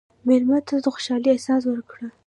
مېلمه ته د خوشحالۍ احساس ورکړه.